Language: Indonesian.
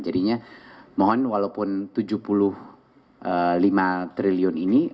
jadinya mohon walaupun tujuh puluh lima triliun ini